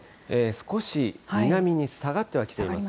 少し南に下がってはきています。